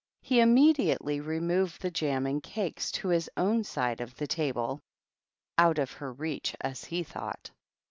He immediately removed the jam an cakes to his own side of the table, out of h reach as he thought.